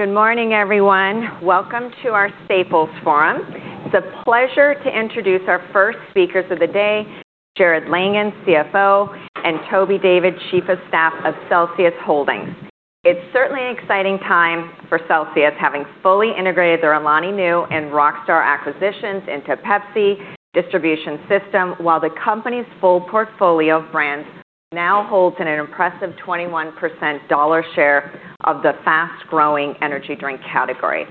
Good morning, everyone. Welcome to our Staples Forum. It's a pleasure to introduce our first speakers of the day, Jarrod Langhans, CFO, and Toby David, Chief of Staff of Celsius Holdings. It's certainly an exciting time for Celsius, having fully integrated their Alani Nu and Rockstar acquisitions into PepsiCo distribution system, while the company's full portfolio of brands now holds an impressive 21% dollar share of the fast-growing energy drink category.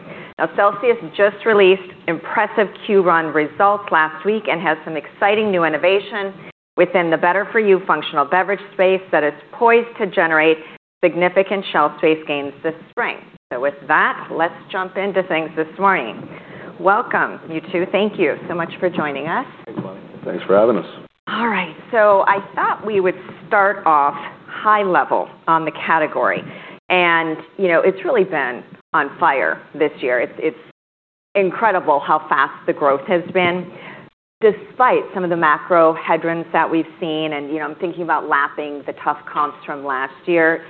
Celsius just released impressive Q1 results last week and has some exciting new innovation within the better-for-you functional beverage space that is poised to generate significant shelf space gains this spring. With that, let's jump into things this morning. Welcome, you two. Thank you so much for joining us. Thanks a lot. Thanks for having us. All right. I thought we would start off high level on the category and, you know, it's really been on fire this year. It's incredible how fast the growth has been despite some of the macro headwinds that we've seen. You know, I'm thinking about lapping the tough comps from last year.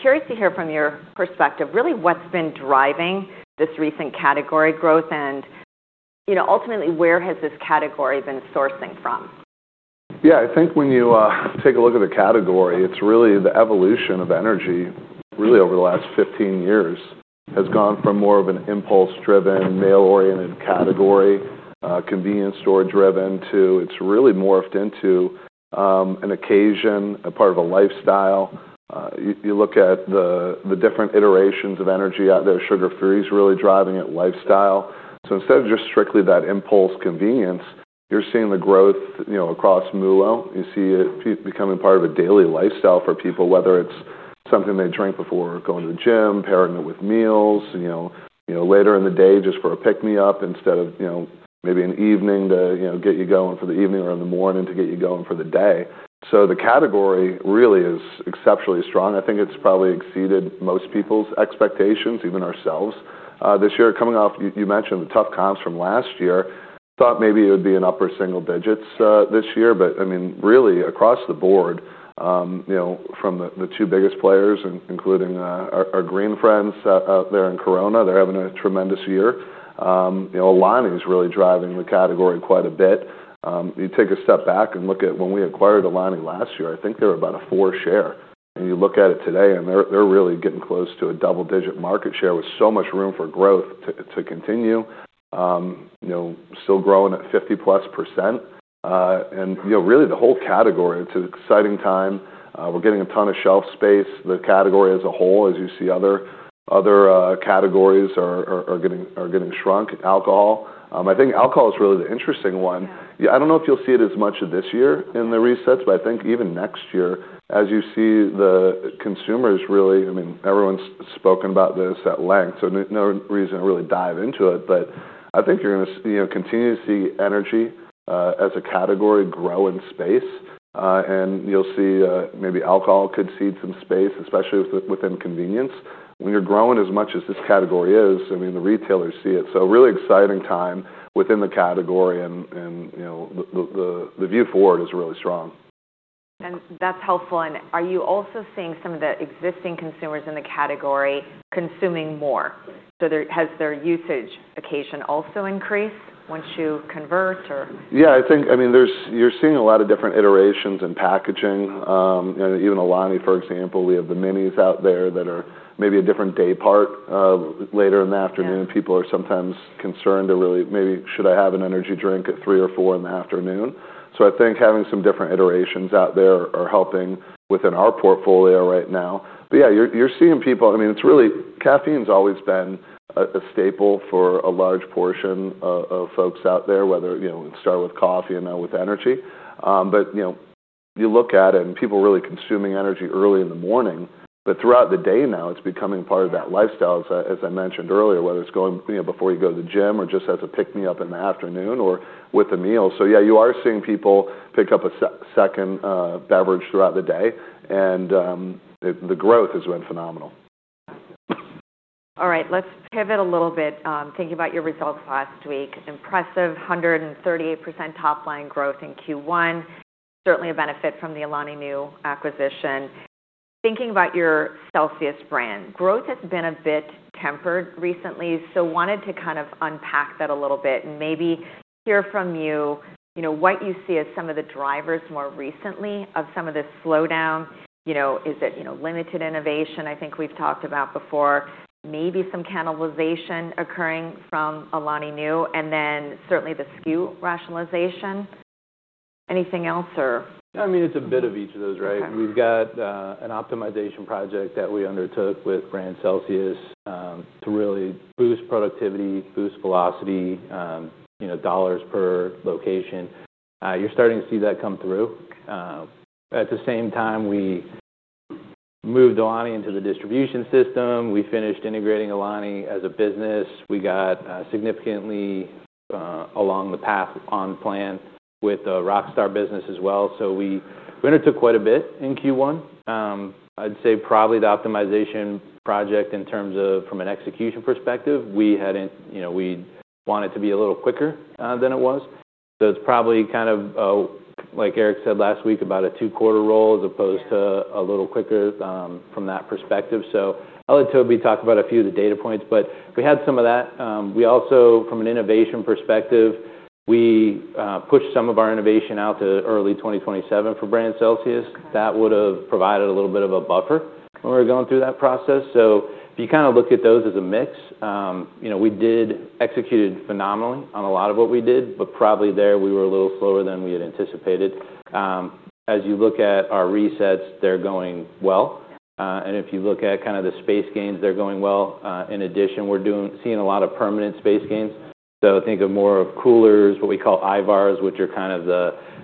Curious to hear from your perspective, really what's been driving this recent category growth and, you know, ultimately where has this category been sourcing from? I think when you take a look at the category, it's really the evolution of energy really over the last 15 years has gone from more of an impulse-driven, male-oriented category, convenience store driven, to it's really morphed into an occasion, a part of a lifestyle. You look at the different iterations of energy out there, sugar-free is really driving it, lifestyle. Instead of just strictly that impulse convenience, you're seeing the growth, you know, across MULO. You see it becoming part of a daily lifestyle for people, whether it's something they drink before going to the gym, pairing it with meals, you know, later in the day just for a pick-me-up instead of, you know, maybe an evening to, you know, get you going for the evening or in the morning to get you going for the day. The category really is exceptionally strong. I think it's probably exceeded most people's expectations, even ourselves, this year. Coming off, you mentioned the tough comps from last year. Thought maybe it would be in upper single digits this year. I mean, really across the board, you know, from the two biggest players including our green friends out there in Corona, they're having a tremendous year. You know, Alani's really driving the category quite a bit. You take a step back and look at when we acquired Alani last year, I think they were about a four share. You look at it today, they're really getting close to a double-digit market share with so much room for growth to continue. You know, still growing at 50%+. You know, really the whole category, it's an exciting time. We're getting a ton of shelf space. The category as a whole, as you see other categories are getting shrunk. Alcohol. I think alcohol is really the interesting one. Yeah. I don't know if you'll see it as much of this year in the resets. I think even next year, as you see the consumers really, I mean, everyone's spoken about this at length, so no reason to really dive into it. I think you're gonna you know, continue to see energy as a category grow in space. You'll see maybe alcohol could cede some space, especially within convenience. When you're growing as much as this category is, I mean, the retailers see it. A really exciting time within the category and, you know, the view forward is really strong. That's helpful. Are you also seeing some of the existing consumers in the category consuming more? Has their usage occasion also increased once you convert? Yeah, I think I mean, you're seeing a lot of different iterations in packaging. You know, even Alani, for example, we have the minis out there that are maybe a different day part of later in the afternoon. Yeah. People are sometimes concerned or really maybe, "Should I have an energy drink at three or four in the afternoon?" I think having some different iterations out there are helping within our portfolio right now. Yeah, you're seeing people I mean, it's really caffeine's always been a staple for a large portion of folks out there, whether, you know, start with coffee and now with energy. You know, you look at it and people really consuming energy early in the morning. Throughout the day now, it's becoming part of that lifestyle, as I mentioned earlier, whether it's going, you know, before you go to the gym or just as a pick-me-up in the afternoon or with a meal. Yeah, you are seeing people pick up a second beverage throughout the day. The growth has been phenomenal. All right, let's pivot a little bit, thinking about your results last week. Impressive 138% top-line growth in Q1, certainly a benefit from the Alani Nu acquisition. Thinking about your CELSIUS brand, growth has been a bit tempered recently. Wanted to kind of unpack that a little bit and maybe hear from you know, what you see as some of the drivers more recently of some of this slowdown. You know, is it, you know, limited innovation I think we've talked about before? Maybe some cannibalization occurring from Alani Nu, certainly the SKU rationalization. Anything else or? I mean, it's a bit of each of those, right? Okay. We've got an optimization project that we undertook with brand CELSIUS to really boost productivity, boost velocity, you know, dollars per location. You're starting to see that come through. At the same time, we moved Alani into the distribution system. We finished integrating Alani as a business. We got significantly along the path on plan with the Rockstar business as well. We undertook quite a bit in Q1. I'd say probably the optimization project in terms of from an execution perspective, we hadn't, you know, we'd want it to be a little quicker than it was. It's probably kind of like Eric said last week, about a two-quarter roll as opposed to a little quicker from that perspective. I'll let Toby talk about a few of the data points, but we had some of that. We also, from an innovation perspective, we pushed some of our innovation out to early 2027 for brand CELSIUS. That would've provided a little bit of a buffer when we were going through that process. If you kind of look at those as a mix, you know, we did execute phenomenally on a lot of what we did, but probably there we were a little slower than we had anticipated. As you look at our resets, they're going well. If you look at kind of the space gains, they're going well. In addition, we're seeing a lot of permanent space gains. Think of more of coolers, what we call IRCs, which are kind of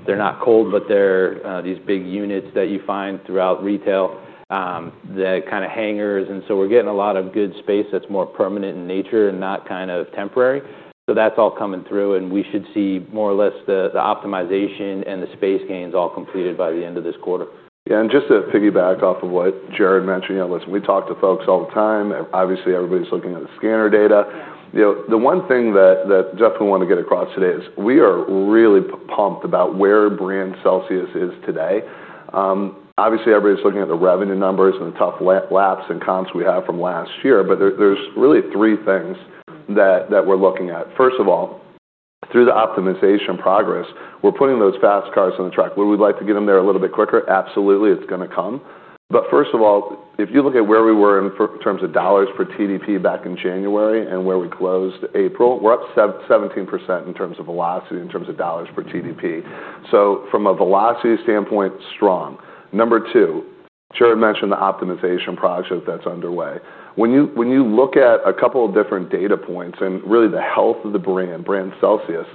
they're not cold, but they're these big units that you find throughout retail, the kind of hangers. We're getting a lot of good space that's more permanent in nature and not kind of temporary. That's all coming through, and we should see more or less the optimization and the space gains all completed by the end of this quarter. Yeah. Just to piggyback off of what Jarrod mentioned, you know, listen, we talk to folks all the time. Obviously, everybody's looking at the scanner data. Yeah. You know, the one thing that I definitely want to get across today is we are really pumped about where brand CELSIUS is today. Obviously everybody's looking at the revenue numbers and the tough laps and comps we have from last year, but there's really three things that we're looking at. First of all, through the optimization progress, we're putting those fast cars on the track. Would we like to get them there a little bit quicker? Absolutely, it's gonna come. First of all, if you look at where we were in terms of dollars per TDP back in January and where we closed April, we're up 17% in terms of velocity, in terms of dollars per TDP. From a velocity standpoint, strong. Number two, Jarrod mentioned the optimization project that's underway. When you look at a couple of different data points and really the health of the brand Celsius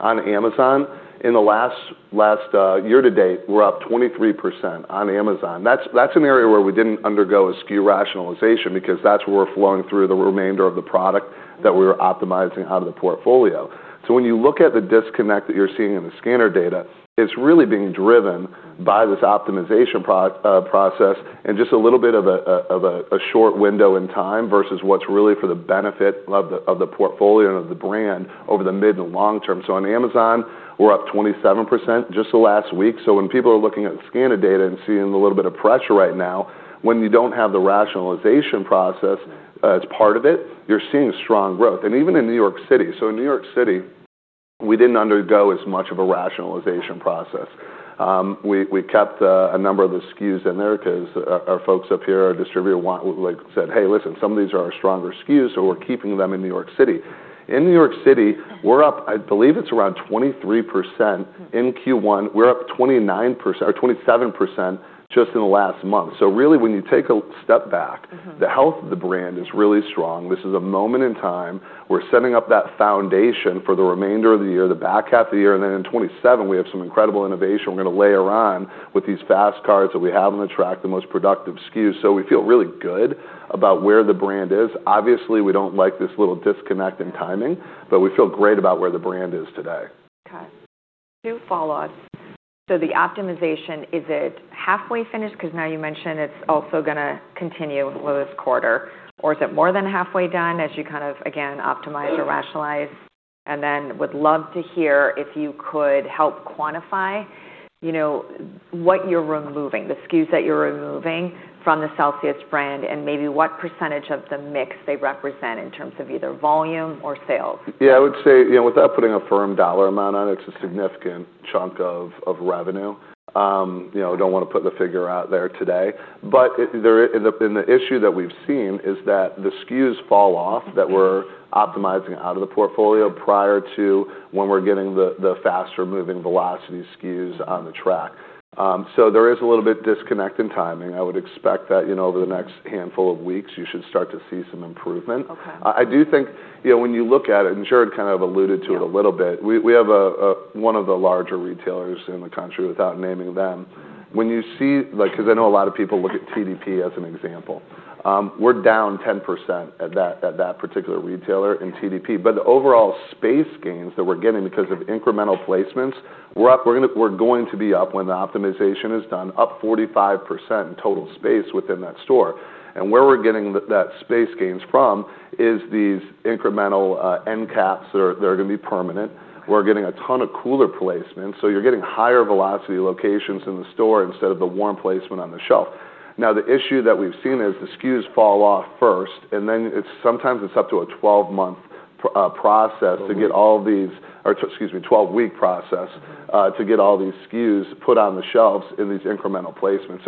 on Amazon in the last year-to-date, we're up 23% on Amazon. That's an area where we didn't undergo a SKU rationalization because that's where we're flowing through the remainder of the product that we were optimizing out of the portfolio. When you look at the disconnect that you're seeing in the scanner data, it's really being driven by this optimization process and just a little bit of a short window in time versus what's really for the benefit of the portfolio and of the brand over the mid and long term. On Amazon, we're up 27% just the last week. When people are looking at the scanner data and seeing a little bit of pressure right now, when you don't have the rationalization process as part of it, you're seeing strong growth. Even in New York City. In New York City, we didn't undergo as much of a rationalization process. We kept a number of the SKUs in there because our folks up here, our distributor said, "Hey, listen, some of these are our stronger SKUs, so we're keeping them in New York City." In New York City, we're up, I believe it's around 23% in Q1. We're up 29% or 27% just in the last month. Really, when you take a step back. The health of the brand is really strong. This is a moment in time. We're setting up that foundation for the remainder of the year, the back half of the year, and then in 2027, we have some incredible innovation we're gonna layer on with these fast cars that we have on the track, the most productive SKUs. We feel really good about where the brand is. Obviously, we don't like this little disconnect in timing, but we feel great about where the brand is today. Okay. Two follow-ons. The optimization, is it halfway finished? Because now you mentioned it's also gonna continue with this quarter. Is it more than halfway done as you kind of, again, optimize or rationalize? Would love to hear if you could help quantify, you know, what you're removing, the SKUs that you're removing from the CELSIUS brand, and maybe what percentage of the mix they represent in terms of either volume or sales. Yeah. I would say, you know, without putting a firm dollar amount on it's a significant chunk of revenue. You know, don't wanna put the figure out there today. It, and the issue that we've seen is that the SKUs fall off that we're optimizing out of the portfolio prior to when we're getting the faster moving velocity SKUs on the track. There is a little bit disconnect in timing. I would expect that, you know, over the next handful of weeks, you should start to see some improvement. Okay. I do think, you know, when you look at it, and Jarrod kind of alluded to it a little bit. Yeah. We have one of the larger retailers in the country without naming them. Like, because I know a lot of people look at TDP as an example. We're down 10% at that particular retailer in TDP. The overall space gains that we're getting because of incremental placements, we're going to be up when the optimization is done, up 45% in total space within that store. Where we're getting that space gains from is these incremental end caps that are going to be permanent. We're getting a ton of cooler placements, so you're getting higher velocity locations in the store instead of the warm placement on the shelf. The issue that we've seen is the SKUs fall off first, and then it's sometimes it's up to a 12-week process to get all these SKUs put on the shelves in these incremental placements.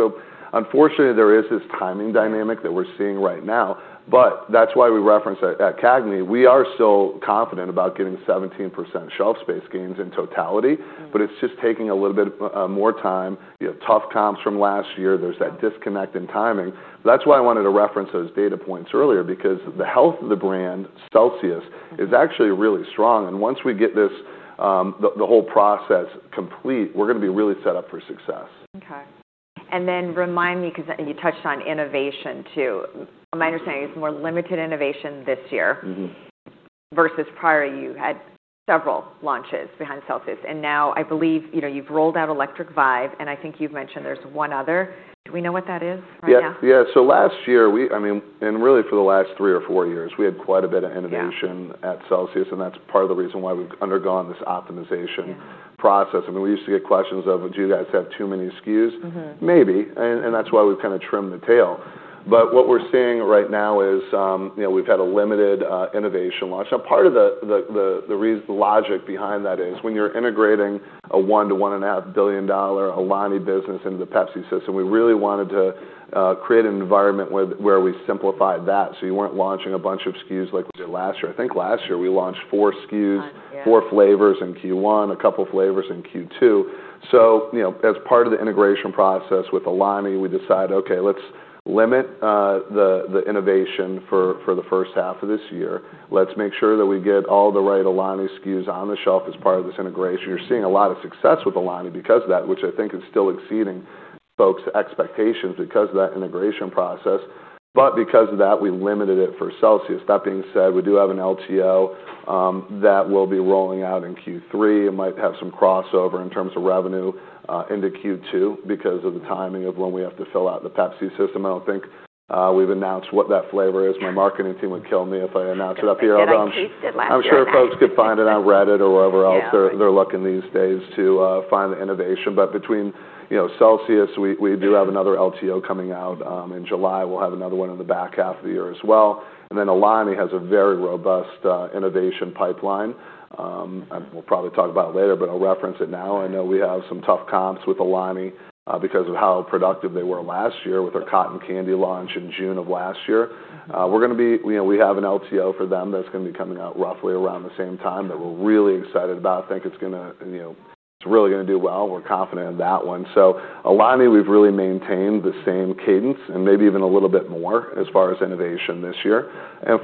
Unfortunately, there is this timing dynamic that we're seeing right now, but that's why we reference at CAGNY. We are still confident about getting 17% shelf space gains in totality, but it's just taking a little bit more time. You have tough comps from last year. There's that disconnect in timing. That's why I wanted to reference those data points earlier because the health of the brand, Celsius, is actually really strong. Once we get this, the whole process complete, we're gonna be really set up for success. Okay. Remind me, because you touched on innovation too. Am I understanding it's more limited innovation this year? Versus prior, you had several launches behind CELSIUS. Now I believe, you know, you've rolled out Electric Vibe, and I think you've mentioned there's one other. Do we know what that is right now? Yeah, yeah. Last year, I mean, really for the last three or four years, we had quite a bit of innovation. Yeah. At Celsius, and that's part of the reason why we've undergone this optimization. Yeah. Process. I mean, we used to get questions of, "Well, do you guys have too many SKUs?" Maybe, and that's why we've kinda trimmed the tail. What we're seeing right now is, you know, we've had a limited innovation launch. Part of the logic behind that is when you're integrating a $1 billion-1.5 billion Alani business into the PepsiCo system, we really wanted to create an environment where we simplified that, so you weren't launching a bunch of SKUs like we did last year. I think last year we launched four SKUs. Four, yeah. Four flavors in Q1, a couple flavors in Q2. You know, as part of the integration process with Alani, we decided, okay, let's limit the innovation for the first half of this year. Let's make sure that we get all the right Alani SKUs on the shelf as part of this integration. You're seeing a lot of success with Alani because of that, which I think is still exceeding folks' expectations because of that integration process. Because of that, we limited it for Celsius. That being said, we do have an LTO that we'll be rolling out in Q3. It might have some crossover in terms of revenue into Q2 because of the timing of when we have to fill out the PepsiCo system. I don't think we've announced what that flavor is. Yeah. My marketing team would kill me if I announced it up here. Did I taste it last year at? I'm sure folks could find it on Reddit or wherever else. Yeah. they're looking these days to find the innovation. Between, you know, CELSIUS, we do have another LTO coming out in July. We'll have another one in the back half of the year as well. Alani has a very robust innovation pipeline. We'll probably talk about it later, but I'll reference it now. I know we have some tough comps with Alani because of how productive they were last year with our Cotton Candy launch in June of last year. You know, we have an LTO for them that's gonna be coming out roughly around the same time that we're really excited about. Think it's gonna, you know, it's really gonna do well. We're confident in that one. Alani, we've really maintained the same cadence and maybe even a little bit more as far as innovation this year.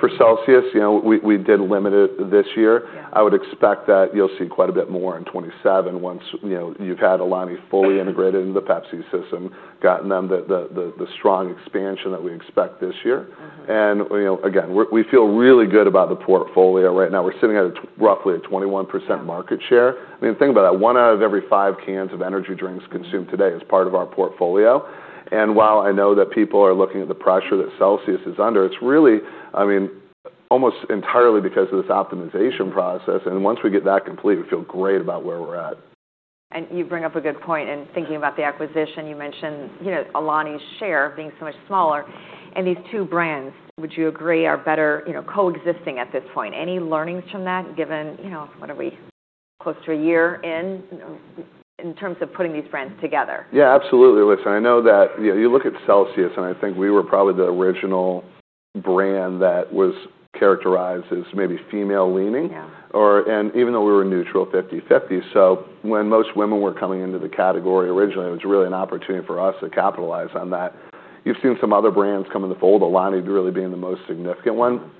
For Celsius, you know, we did limit it this year. Yeah. I would expect that you'll see quite a bit more in 2027 once, you know, you've had Alani fully integrated into the PepsiCo system, gotten them the strong expansion that we expect this year. You know, again, we feel really good about the portfolio right now. We're sitting at roughly a 21% market share. I mean, think about that. One out of every five cans of energy drinks consumed today is part of our portfolio. While I know that people are looking at the pressure that Celsius is under, it's really, I mean, almost entirely because of this optimization process. Once we get that complete, we feel great about where we're at. You bring up a good point in thinking about the acquisition. You mentioned, you know, Alani's share being so much smaller, and these two brands, would you agree, are better, you know, coexisting at this point? Any learnings from that given, you know, what are we, close to a year in terms of putting these brands together? Yeah, absolutely. Listen, I know that you know, you look at Celsius, and I think we were probably the original brand that was characterized as maybe female leaning. Yeah. Even though we were neutral, 50/50. When most women were coming into the category originally, it was really an opportunity for us to capitalize on that. You've seen some other brands come in the fold, Alani really being the most significant one.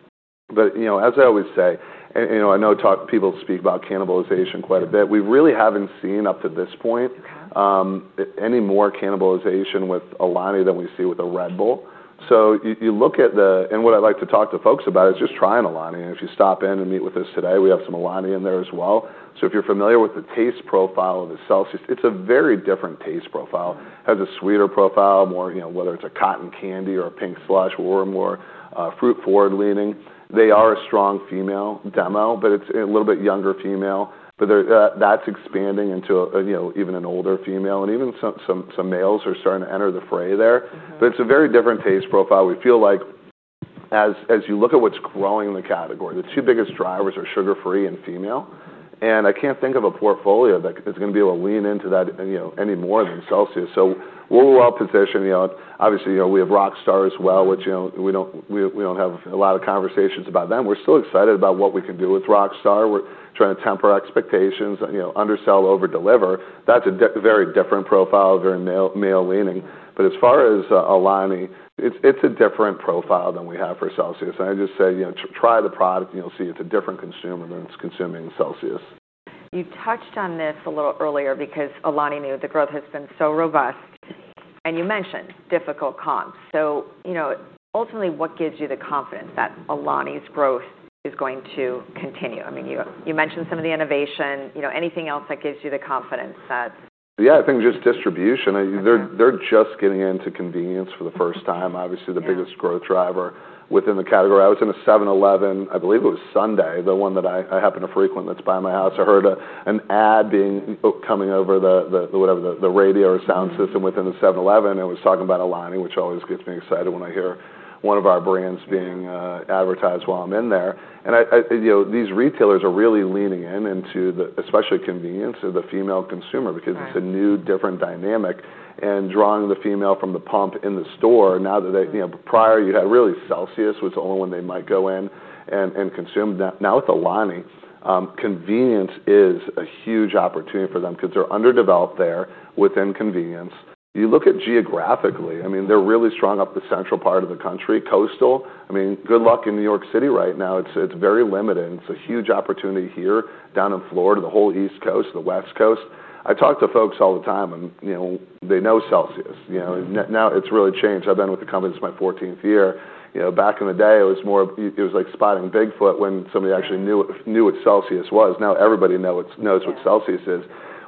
You know, as I always say, and, you know, I know people speak about cannibalization quite a bit. We really haven't seen up to this point. Okay. Any more cannibalization with Alani than we see with a Red Bull. You look at the And what I like to talk to folks about is just trying Alani. If you stop in and meet with us today, we have some Alani in there as well. If you're familiar with the taste profile of the CELSIUS, it's a very different taste profile. Has a sweeter profile, more, you know, whether it's a Cotton Candy or a Pink Slush, we're more fruit forward leaning. They are a strong female demo, but it's a little bit younger female. They're that's expanding into, you know, even an older female, and even some males are starting to enter the fray there. It's a very different taste profile. We feel like as you look at what's growing the category, the two biggest drivers are sugar-free and female, I can't think of a portfolio that is gonna be able to lean into that, you know, any more than CELSIUS. We're well positioned. You know, obviously, you know, we have Rockstar as well, which, you know, we don't have a lot of conversations about them. We're still excited about what we can do with Rockstar. We're trying to temper expectations, you know, undersell, overdeliver. That's a very different profile, very male leaning. As far as Alani, it's a different profile than we have for CELSIUS. I just say, you know, try the product and you'll see it's a different consumer than what's consuming CELSIUS. You touched on this a little earlier because Alani, you know, the growth has been so robust, and you mentioned difficult comps. You know, ultimately, what gives you the confidence that Alani's growth is going to continue? I mean, you mentioned some of the innovation. You know, anything else that gives you the confidence that. Yeah, I think just distribution. They're just getting into convenience for the first time. Yeah. the biggest growth driver within the category. I was in a 7-Eleven, I believe it was Sunday, the one that I happen to frequent that's by my house. I heard an ad coming over the radio or sound system. Within the 7-Eleven, it was talking about Alani, which always gets me excited when I hear one of our brands being advertised while I'm in there. I, you know, these retailers are really leaning into the, especially convenience, to the female consumer because. Right. It's a new, different dynamic. Drawing the female from the pump in the store now that they, you know, prior, you had really CELSIUS was the only one they might go in and consume. Now with Alani, convenience is a huge opportunity for them 'cause they're underdeveloped there within convenience. You look at geographically, I mean, they're really strong up the central part of the country. Coastal, I mean, good luck in New York City right now. It's very limited, and it's a huge opportunity here, down in Florida, the whole East Coast, the West Coast. I talk to folks all the time and, you know, they know CELSIUS. You know? Now it's really changed. I've been with the company, this is my 14th year. You know, back in the day, it was like spotting Bigfoot when somebody actually knew. Yeah. Knew what Celsius was. Now everybody know. Yeah. Knows what Celsius is.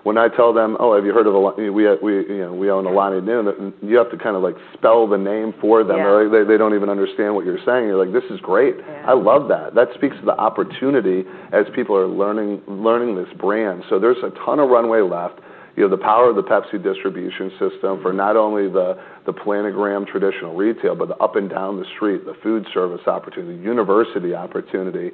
When I tell them, "Oh, have you heard of You know, we, you know, we own Alani Nu," you have to kind of like spell the name for them. Yeah. They don't even understand what you're saying. You're like, "This is great." Yeah. I love that. That speaks to the opportunity as people are learning this brand. There's a ton of runway left. You know, the power of the PepsiCo distribution system for not only the planogram traditional retail, but the up and down the street, the food service opportunity, university opportunity.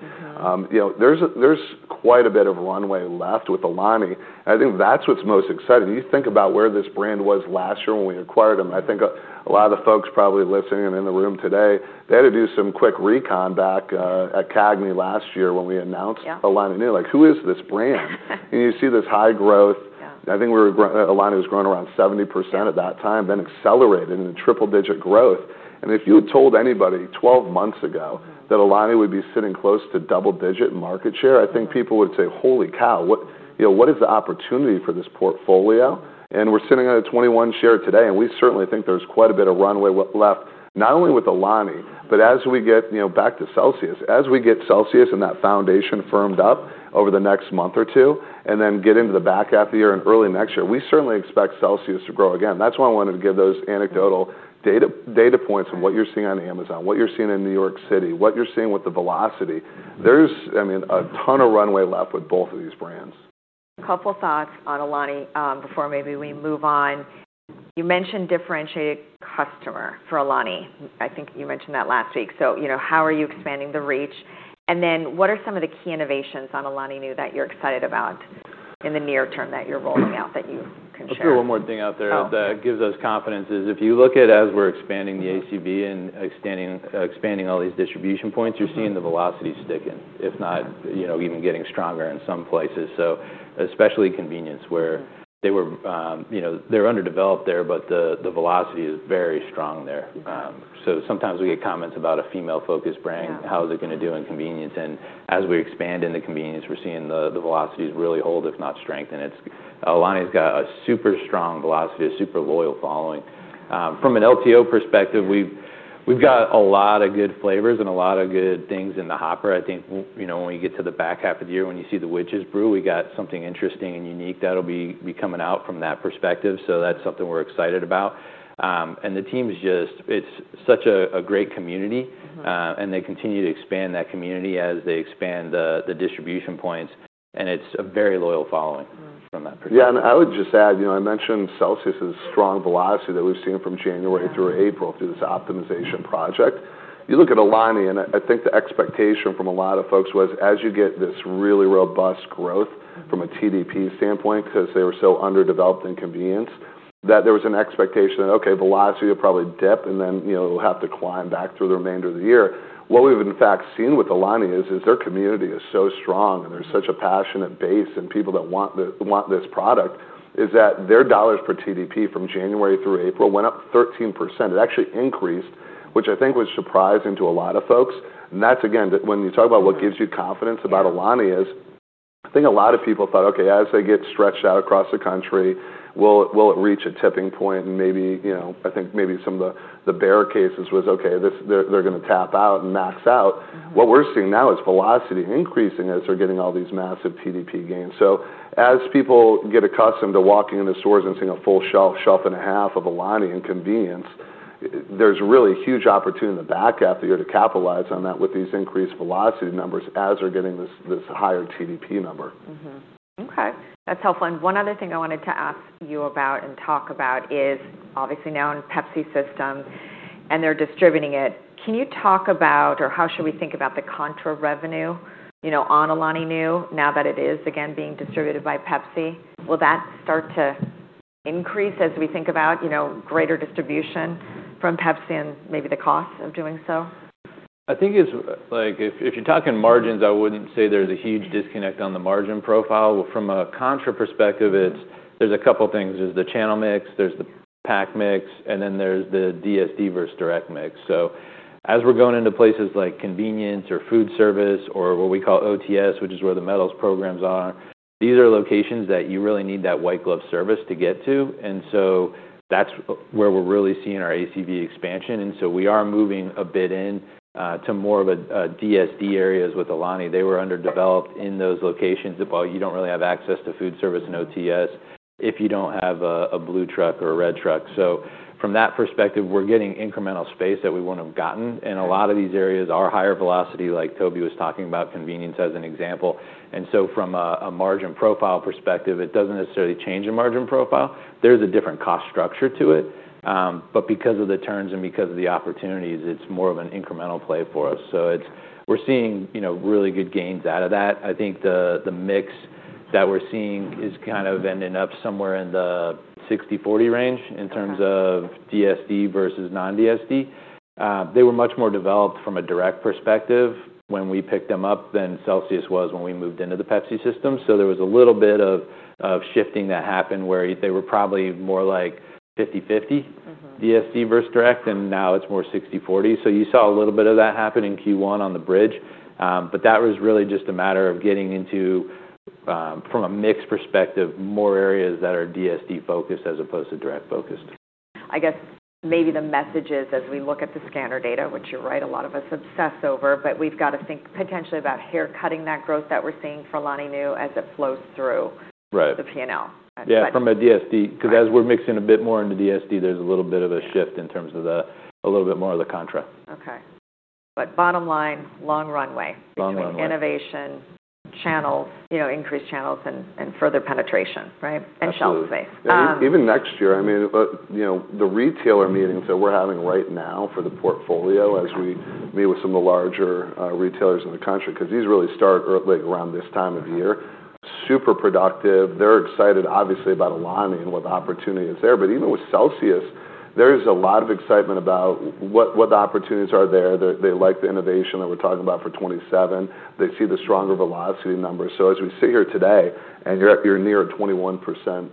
You know, there's quite a bit of runway left with Alani, and I think that's what's most exciting. You think about where this brand was last year when we acquired them, and I think a lot of the folks probably listening and in the room today, they had to do some quick recon back, at CAGNY last year when we announced. Yeah. Alani Nu, like, "Who is this brand?" You see this high growth. Yeah. I think Alani was growing around 70% at that time, then accelerated into triple-digit growth. If you had told anybody 12 months ago that Alani would be sitting close to double-digit market share, I think people would say, "Holy cow, what, you know, what is the opportunity for this portfolio." We're sitting at a 21 share today, and we certainly think there's quite a bit of runway left, not only with Alani, but as we get, you know, back to CELSIUS. As we get CELSIUS and that foundation firmed up over the next month or two, then get into the back half of the year and early next year, we certainly expect CELSIUS to grow again. That's why I wanted to give those anecdotal data points of what you're seeing on Amazon, what you're seeing in New York City, what you're seeing with the velocity. There's, I mean, a ton of runway left with both of these brands. A couple thoughts on Alani, before maybe we move on. You mentioned differentiated customer for Alani. I think you mentioned that last week. You know, how are you expanding the reach? What are some of the key innovations on Alani Nu that you're excited about in the near term that you're rolling out that you can share? I'll throw one more thing out there. Oh. That gives us confidence, is if you look at as we're expanding the ACV and extending, expanding all these distribution points. You're seeing the velocity sticking, if not, you know, even getting stronger in some places. Especially convenience, where they were, you know, they're underdeveloped there, but the velocity is very strong there. Okay. Sometimes we get comments about a female-focused brand. Yeah. How is it gonna do in convenience? As we expand into convenience, we're seeing the velocities really hold, if not strengthen. It's Alani's got a super strong velocity, a super loyal following. From an LTO perspective, we've got a lot of good flavors and a lot of good things in the hopper. I think you know, when we get to the back half of the year when you see the Witches Brew, we got something interesting and unique that'll be coming out from that perspective, so that's something we're excited about. It's such a great community. They continue to expand that community as they expand the distribution points, and it's a very loyal following. From that perspective. Yeah, I would just add, you know, I mentioned CELSIUS' strong velocity that we've seen from January through April through this optimization project. You look at Alani, I think the expectation from a lot of folks was as you get this really robust growth from a TDP standpoint, 'cause they were so underdeveloped in convenience, that there was an expectation that, okay, velocity will probably dip, then, you know, it'll have to climb back through the remainder of the year. What we've in fact seen with Alani is their community is so strong, and there's such a passionate base and people that want this product, is that their dollars per TDP from January through April went up 13%. It actually increased, which I think was surprising to a lot of folks. That's again, when you talk about what gives you confidence about Alani is I think a lot of people thought, "Okay, as they get stretched out across the country, will it reach a tipping point?" Maybe, you know, I think maybe some of the bear cases was, okay, they're gonna tap out and max out. What we're seeing now is velocity increasing as they're getting all these massive TDP gains. As people get accustomed to walking into stores and seeing a full shelf and a half of Alani in convenience, there's really a huge opportunity in the back half of the year to capitalize on that with these increased velocity numbers as they're getting this higher TDP number. Mm-hmm. Okay. That's helpful. One other thing I wanted to ask you about and talk about is obviously now in the PepsiCo system and they're distributing it, can you talk about or how should we think about the contra revenue, you know, on Alani Nu now that it is again being distributed by PepsiCo? Will that start to increase as we think about, you know, greater distribution from PepsiCo and maybe the cost of doing so? I think it's, if you're talking margins, I wouldn't say there's a huge disconnect on the margin profile. From a contra perspective, it's, there's a couple things. There's the channel mix, there's the pack mix, and then there's the DSD versus direct mix. As we're going into places like convenience or food service or what we call OTS, which is where the metal displays are, these are locations that you really need that white glove service to get to. That's where we're really seeing our ACV expansion. We are moving a bit in to more of a DSD areas with Alani. They were underdeveloped in those locations. Well, you don't really have access to food service and OTS if you don't have a blue truck or a red truck. From that perspective, we're getting incremental space that we wouldn't have gotten, and a lot of these areas are higher velocity. Like Toby was talking about convenience as an example. From a margin profile perspective, it doesn't necessarily change the margin profile. There's a different cost structure to it, but because of the terms and because of the opportunities, it's more of an incremental play for us. We're seeing, you know, really good gains out of that. I think the mix that we're seeing is kind of ending up somewhere in the 60/40 range in terms of DSD versus non-DSD. They were much more developed from a direct perspective when we picked them up than Celsius was when we moved into the PepsiCo system, so there was a little bit of shifting that happened where they were probably more like 50/50. DSD versus direct, now it's more 60/40. You saw a little bit of that happen in Q1 on the bridge. That was really just a matter of getting into, from a mix perspective, more areas that are DSD focused as opposed to direct focused. I guess maybe the message is as we look at the scanner data, which you're right, a lot of us obsess over, but we've got to think potentially about haircutting that growth that we're seeing for Alani Nu as it flows through. Right. The P&L. Yeah, from a DSD. Got it. Because as we're mixing a bit more into DSD, there's a little bit of a shift in terms of the, a little bit more of the contra. Okay. Bottom line, long runway. Long runway. Between innovation channels, you know, increased channels and further penetration, right? Absolutely. Shelf space. Even next year, I mean, you know, the retailer meetings that we're having right now for the portfolio. Yeah. Meet with some of the larger retailers in the country, like around this time of year. Super productive. They're excited obviously about Alani and what the opportunity is there. Even with CELSIUS, there is a lot of excitement about what the opportunities are there. They like the innovation that we're talking about for 2027. They see the stronger velocity numbers. As we sit here today, and you're near a 21%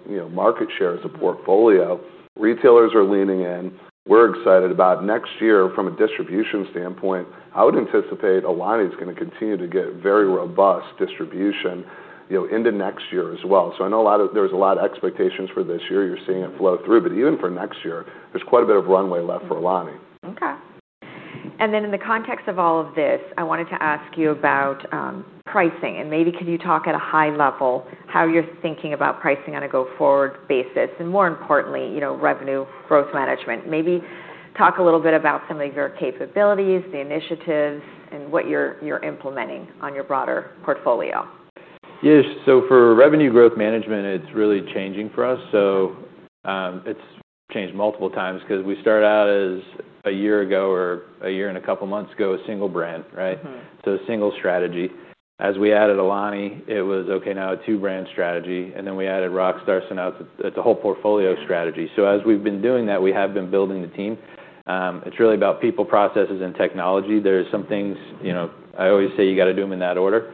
you know, market share as a portfolio, retailers are leaning in. We're excited about next year from a distribution standpoint. I would anticipate Alani's gonna continue to get very robust distribution, you know, into next year as well. There's a lot of expectations for this year. You're seeing it flow through. Even for next year, there's quite a bit of runway left for Alani. Okay. In the context of all of this, I wanted to ask you about pricing and maybe could you talk at a high level how you're thinking about pricing on a go-forward basis, and more importantly, you know, revenue growth management. Maybe talk a little bit about some of your capabilities, the initiatives, and what you're implementing on your broader portfolio. Yes. For revenue growth management, it's really changing for us. It's changed multiple times 'cause we started out as a year ago or a year and a couple months ago, a single brand, right? A single strategy. As we added Alani, it was, okay, now a two-brand strategy, and then we added Rockstar, so now it's a whole portfolio strategy. Yeah. As we've been doing that, we have been building the team. It's really about people, processes, and technology. There are some things, you know, I always say you gotta do them in that order.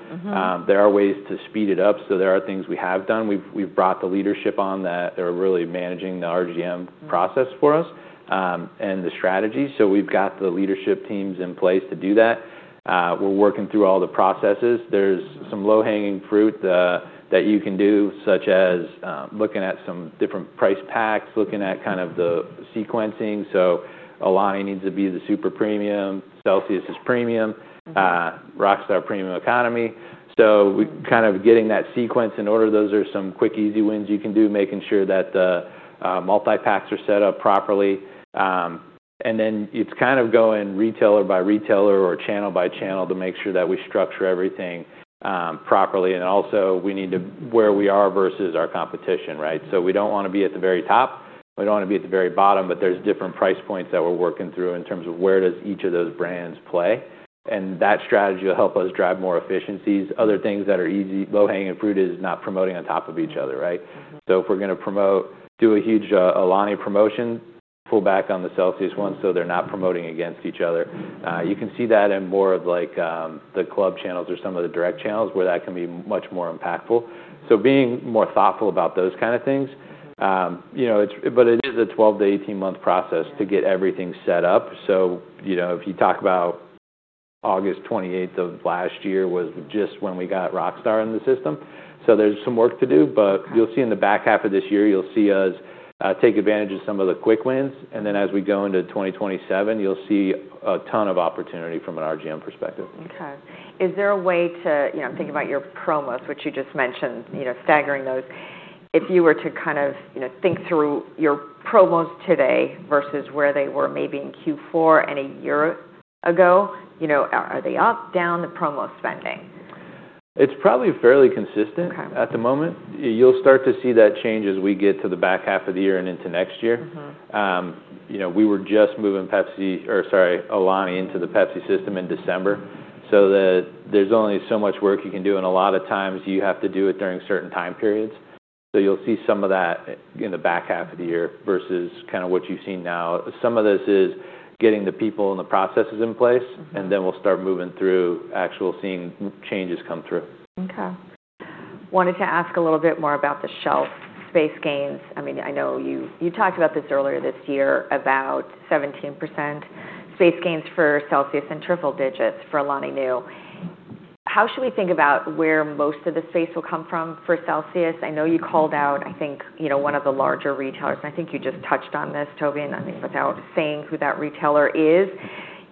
There are ways to speed it up, so there are things we have done. We've brought the leadership on that are really managing the RGM process for us, and the strategy. We've got the leadership teams in place to do that. We're working through all the processes. There's some low-hanging fruit that you can do, such as looking at some different price packs, looking at kind of the sequencing. Alani needs to be the super premium. Celsius is premium. Rockstar premium economy. We kind of getting that sequence in order. Those are some quick easy wins you can do, making sure that the multi-packs are set up properly. Then it's kind of going retailer by retailer or channel by channel to make sure that we structure everything properly. Also we need to Where we are versus our competition, right? We don't wanna be at the very top. We don't wanna be at the very bottom. There's different price points that we're working through in terms of where does each of those brands play, and that strategy will help us drive more efficiencies. Other things that are easy, low-hanging fruit is not promoting on top of each other, right? If we're gonna promote, do a huge Alani promotion, pull back on the Celsius one so they're not promoting against each other. You can see that in more of like the club channels or some of the direct channels where that can be much more impactful. Being more thoughtful about those kind of things. You know, it is a 12 to 18-month process. Yeah. To get everything set up. You know, if you talk about August 28th of last year was just when we got Rockstar in the system, so there's some work to do. Okay you'll see in the back half of this year, you'll see us take advantage of some of the quick wins, and then as we go into 2027, you'll see a ton of opportunity from an RGM perspective. Okay. Is there a way to You know, I'm thinking about your promos, which you just mentioned, you know, staggering those. If you were to kind of, you know, think through your promos today versus where they were maybe in Q4 and a year ago, you know, are they up, down the promo spending? It's probably fairly consistent. Okay. At the moment. You'll start to see that change as we get to the back half of the year and into next year. You know, we were just moving Alani into the PepsiCo system in December, so the there's only so much work you can do, and a lot of times you have to do it during certain time periods. You'll see some of that in the back half of the year versus kind of what you've seen now. Some of this is getting the people and the processes in place. We'll start moving through actual seeing changes come through. Okay. Wanted to ask a little bit more about the shelf space gains. I mean, I know you talked about this earlier this year about 17% space gains for Celsius and triple digits for Alani Nu. How should we think about where most of the space will come from for Celsius? I know you called out, I think, you know, one of the larger retailers, and I think you just touched on this, Toby, and I think without saying who that retailer is.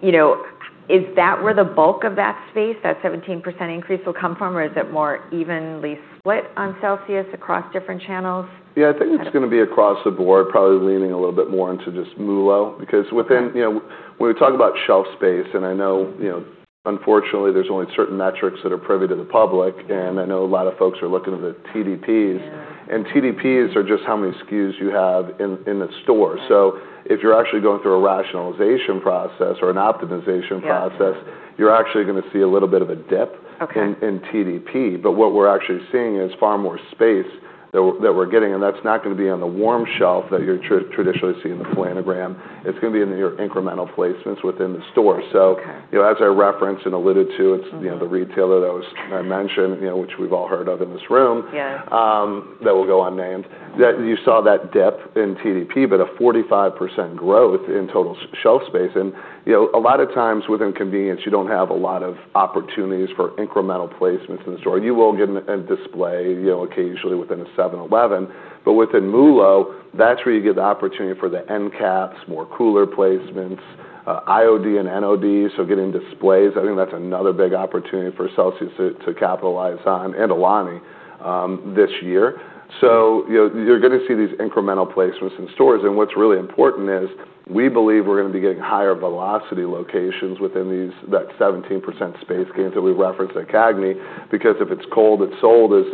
You know, is that where the bulk of that space, that 17% increase will come from, or is it more evenly split on Celsius across different channels? Yeah, I think it's gonna be across the board, probably leaning a little bit more into just MULO. Okay. You know, when we talk about shelf space, and I know, you know, unfortunately, there is only certain metrics that are privy to the public, and I know a lot of folks are looking at the TDPs. Yeah. TDPs are just how many SKUs you have in the store. Yeah. If you're actually going through a rationalization process or an optimization process. Yeah. You're actually gonna see a little bit of a dip. Okay. In TDP. What we're actually seeing is far more space that we're getting, and that's not gonna be on the warm shelf that you traditionally see in the planogram. It's gonna be in your incremental placements within the store. Okay. You know, as I referenced and alluded to, Okay. You know, the retailer that was I mentioned, you know, which we've all heard of in this room. Yeah. That will go unnamed. You saw that dip in TDP, a 45% growth in total shelf space. You know, a lot of times within convenience, you don't have a lot of opportunities for incremental placements in the store. You will get a display, you know, occasionally within a 7-Eleven. Within MULO, that's where you get the opportunity for the end caps, more cooler placements, IOD and NODs, so getting displays. I think that's another big opportunity for Celsius to capitalize on, and Alani, this year. You know, you're gonna see these incremental placements in stores, and what's really important is we believe we're gonna be getting higher velocity locations within these, that 17% space gains that we referenced at CAGNY. Because if it's cold, it's sold is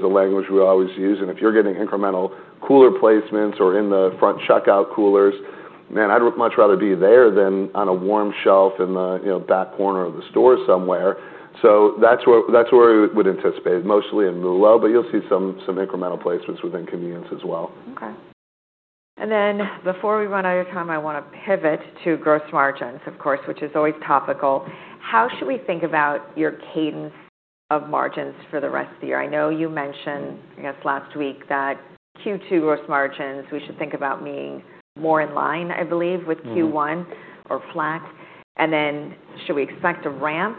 the language we always use. If you're getting incremental cooler placements or in the front checkout coolers. Man, I'd much rather be there than on a warm shelf in the, you know, back corner of the store somewhere. That's where we would anticipate mostly in MULO, but you'll see some incremental placements within convenience as well. Okay. Before we run out of time, I wanna pivot to gross margins, of course, which is always topical. How should we think about your cadence of margins for the rest of the year? I know you mentioned, I guess, last week that Q2 gross margins, we should think about being more in line, I believe. With Q1 or flat. Should we expect a ramp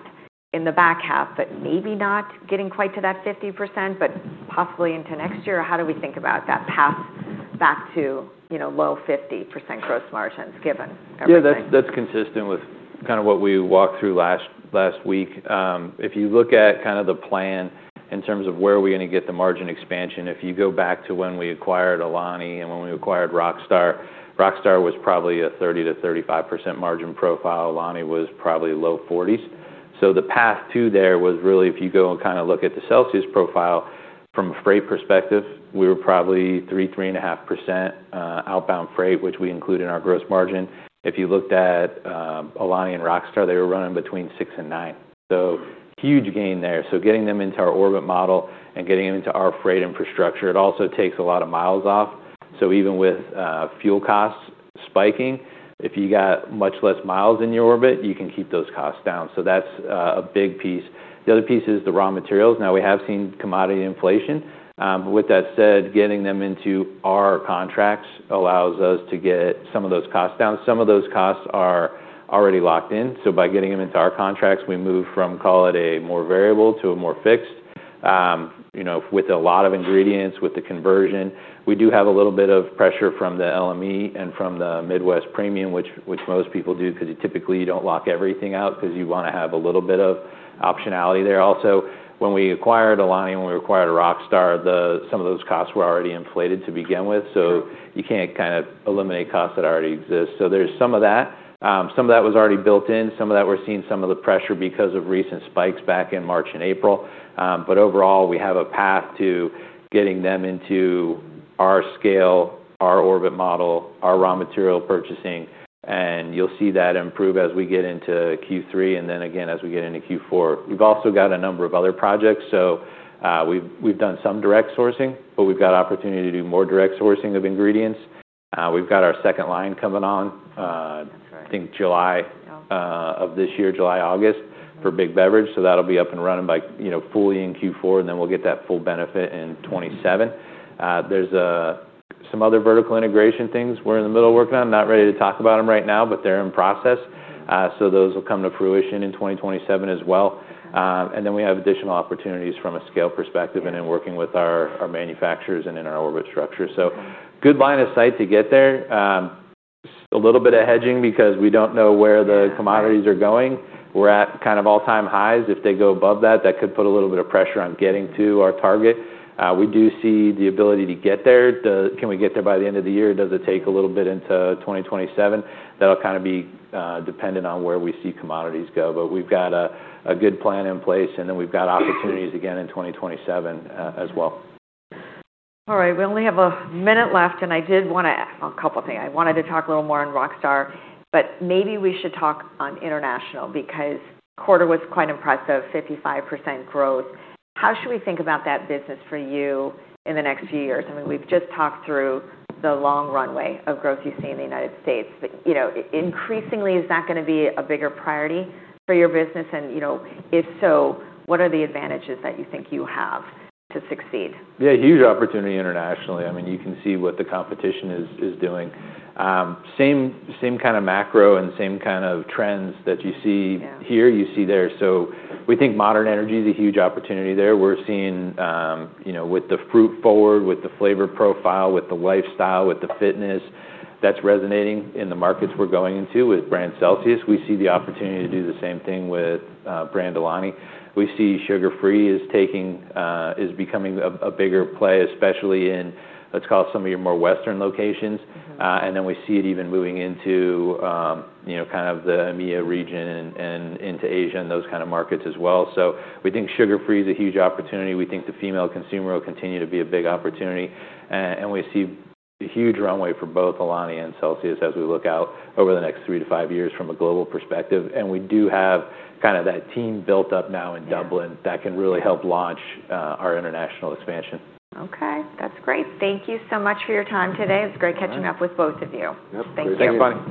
in the back half, but maybe not getting quite to that 50%, but possibly into next year? How do we think about that path back to, you know, low 50% gross margins given everything? Yeah, that's consistent with kind of what we walked through last week. If you look at kind of the plan in terms of where are we going to get the margin expansion, if you go back to when we acquired Alani and when we acquired Rockstar was probably a 30%-35% margin profile. Alani was probably low 40s. The path to there was really, if you go and kind of look at the CELSIUS profile from a freight perspective, we were probably 3%, 3.5% outbound freight, which we include in our gross margin. If you looked at Alani and Rockstar, they were running between six and nine, so huge gain there. Getting them into our orbit model and getting them into our freight infrastructure, it also takes a lot of miles off. Even with fuel costs spiking, if you got much less miles in your orbit, you can keep those costs down. That's a big piece. The other piece is the raw materials. We have seen commodity inflation, but with that said, getting them into our contracts allows us to get some of those costs down. Some of those costs are already locked in, so by getting them into our contracts, we move from call it a more variable to a more fixed, you know, with a lot of ingredients, with the conversion. We do have a little bit of pressure from the LME and from the Midwest premium, which most people do, 'cause you typically, you don't lock everything out 'cause you wanna have a little bit of optionality there. When we acquired Alani and when we acquired Rockstar, some of those costs were already inflated to begin with. Sure. You can't kind of eliminate costs that already exist. There's some of that. Some of that was already built in. Some of that we're seeing some of the pressure because of recent spikes back in March and April. Overall, we have a path to getting them into our scale, our orbit model, our raw material purchasing, and you'll see that improve as we get into Q3, and then again as we get into Q4. We've also got a number of other projects, we've done some direct sourcing, but we've got opportunity to do more direct sourcing of ingredients. We've got our second line coming on. That's right. I think July of this year, July, August, for Big Beverage, that'll be up and running by, you know, fully in Q4, and then we'll get that full benefit in 2027. There's some other vertical integration things we're in the middle of working on. Not ready to talk about them right now, but they're in process. Those will come to fruition in 2027 as well. And then we have additional opportunities from a scale perspective and in working with our manufacturers and in our orbit structure. Good line of sight to get there. A little bit of hedging because we don't know where the- Yeah. Commodities are going. We're at kind of all-time highs. If they go above that could put a little bit of pressure on getting to our target. We do see the ability to get there. Can we get there by the end of the year? Does it take a little bit into 2027? That'll kind of be dependent on where we see commodities go, but we've got a good plan in place, and then we've got opportunities again in 2027 as well. All right. We only have a minute left, and I did wanna ask couple things. I wanted to talk a little more on Rockstar, but maybe we should talk on international because quarter was quite impressive, 55% growth. How should we think about that business for you in the next few years? I mean, we've just talked through the long runway of growth you see in the United States, but, you know, increasingly, is that gonna be a bigger priority for your business? And, you know, if so, what are the advantages that you think you have to succeed? Yeah, huge opportunity internationally. I mean, you can see what the competition is doing. same kind of macro and same kind of trends. Yeah. Here, you see there. We think modern energy is a huge opportunity there. We're seeing, you know, with the fruit forward, with the flavor profile, with the lifestyle, with the fitness, that's resonating in the markets we're going into with brand CELSIUS. We see the opportunity to do the same thing with brand Alani. We see sugar-free is taking, is becoming a bigger play, especially in, let's call it some of your more Western locations. Then we see it even moving into, you know, kind of the EMEA region and into Asia and those kind of markets as well. We think sugar-free is a huge opportunity. We think the female consumer will continue to be a big opportunity. We see huge runway for both Alani and CELSIUS as we look out over the next three to five years from a global perspective. We do have kind of that team built up now in Dublin. Yeah. That can really help launch our international expansion. Okay. That's great. Thank you so much for your time today. All right. It's great catching up with both of you. Yep. Thank you. Thank you. Thanks, Bonnie.